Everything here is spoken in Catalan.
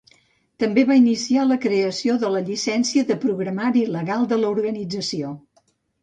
També va iniciar la creació de la llicència de programari legal de l'organització.